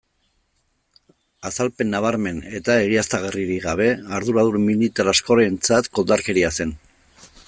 Azalpen nabarmen eta egiaztagarririk gabe, arduradun militar askorentzat koldarkeria zen.